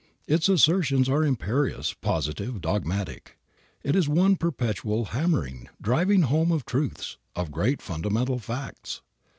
Its assertions are imperious, positive, dogmatic. It is one perpetual hammering, driving home of truths, of great fundamental facts.